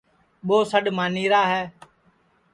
ٻو سڈؔ مانی را ہے